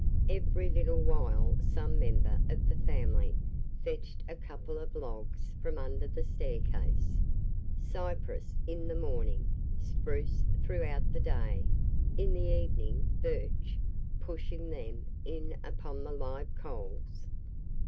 Every little while some member of the family fetched a couple of logs from under the staircase; cypress in the morning, spruce throughout the day, in the evening birch, pushing them in upon the live coals.